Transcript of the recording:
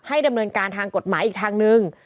ดำเนินการทางกฎหมายอีกทางนึง